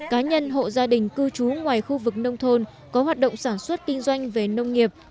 cá nhân hộ gia đình cư trú ngoài khu vực nông thôn có hoạt động sản xuất kinh doanh về nông nghiệp